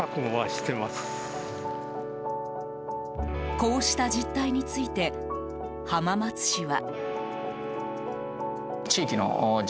こうした実態について浜松市は。